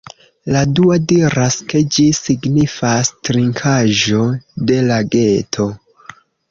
La dua diras ke ĝi signifas "trinkaĵo de lageto".